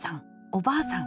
おばあさん